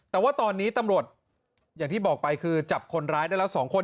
แต่ว่าตอนนี้ตำรวจอย่างที่บอกไปคือจับคนร้ายได้แล้ว๒คน